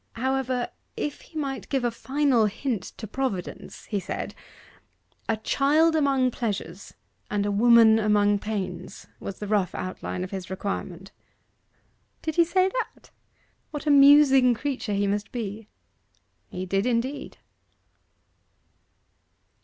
However, if he might give a final hint to Providence," he said, "a child among pleasures, and a woman among pains was the rough outline of his requirement."' 'Did he say that? What a musing creature he must be.' 'He did, indeed.